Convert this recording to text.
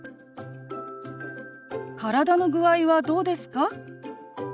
「体の具合はどうですか？」。